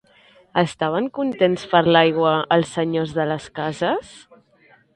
Estaven contents per l'aigua els senyors de les cases?